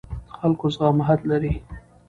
د خلکو زغم حد لري